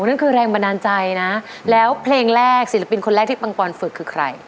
นั่นคือแรงบันดาลใจนะแล้วเพลงแรกศิลปินคนแรกที่ปังปอนฝึกคือใคร